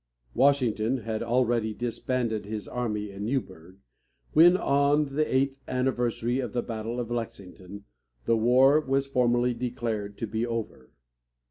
Washington had already disbanded his army in Newburgh, when, on the eighth anniversary of the battle of Lexington, the war was formally declared to be over.